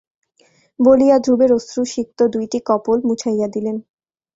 বলিয়া ধ্রুবের অশ্রুসিক্ত দুইটি কপোল মুছাইয়া দিলেন।